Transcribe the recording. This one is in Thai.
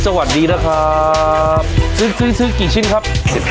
สวัสดีนะครับซื้อซื้อกี่ชิ้นครับ